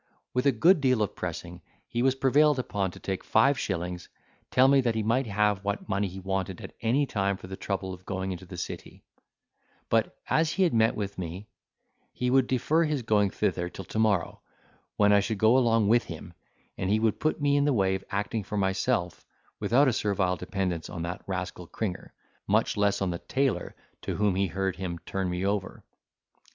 With a good deal of pressing, he was prevailed upon to take five shillings telling me that he might have what money he wanted at any time for the trouble of going into the city; but as he had met with me, he would defer his going thither till tomorrow, when I should go along with him, and he would put me in the way of acting for myself, without a servile dependence on that rascal Cringer, much less on the tailor to whom he heard him turn me over.